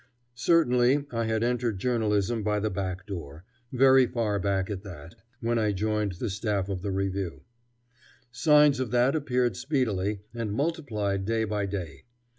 Certainly I had entered journalism by the back door, very far back at that, when I joined the staff of the Review. Signs of that appeared speedily, and multiplied day by day.